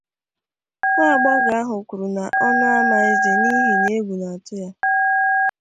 Nwagbọghọ ahụ kwụrụ n’ọnụ ama eze n’ihi na egwu na-atụ ya.